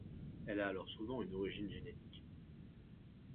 Elle a alors souvent une origine génétique.